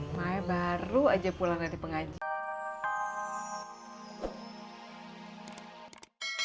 mamanya baru aja pulang dari pengajian